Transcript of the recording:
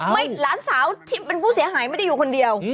หลานสาวที่เป็นผู้เสียหายไม่ได้อยู่คนเดียว